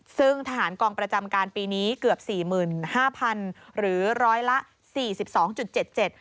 ซึ่งทหารกองประจำการปีนี้เกือบ๔๕๐๐๐หรือ๑๔๒๗๗